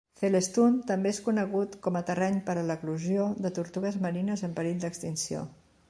Celestun també és conegut com a terreny per a l'eclosió de tortugues marines en perill d'extinció.